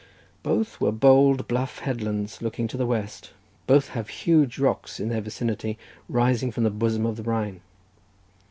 Both are bold, bluff headlands looking to the west, both have huge rocks in their vicinity, rising from the bosom of the brine.